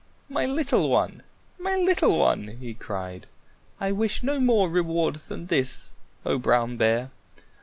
"My little one! My little one!" he cried. "I wish no more reward than this, O Brown Bear."